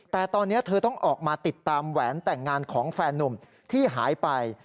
แต่ตอนนี้เธอต้องออกมาติดตามแหวนแต่งงานของแฟนนุ่มที่หายไป